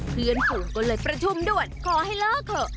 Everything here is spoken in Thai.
เพื่อนฝูงก็เลยประชุมด่วนขอให้เลิกเถอะ